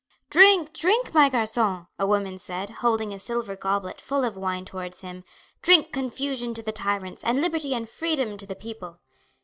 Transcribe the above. "Drink, drink, my garcon," a woman said, holding a silver goblet full of wine towards him, "drink confusion to the tyrants and liberty and freedom to the people."